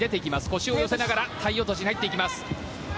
腰を寄せながら体落としに入っていきます。